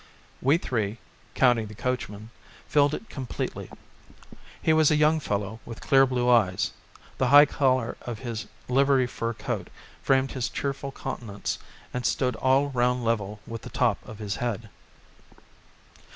We three, counting the coachman, filled it completely. He was a young fellow with clear blue eyes; the high collar of his livery fur coat framed his cheery countenance and stood all round level with the top of his head.